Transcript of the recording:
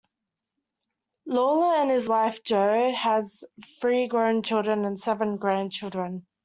Lawler and his wife, Jo, have three grown children and seven grandchildren.